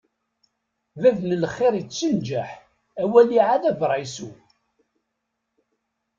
Bab n lxiṛ ittenǧaḥ, a waliɛad abṛaysu.